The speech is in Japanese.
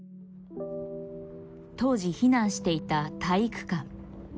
当時避難していた体育館。